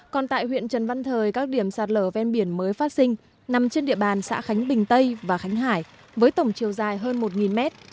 còn tại huyện trần văn thời các điểm sạt lở ven biển mới phát sinh nằm trên địa bàn xã khánh bình tây và khánh hải với tổng chiều dài hơn một mét